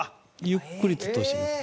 ゆっくりと通します。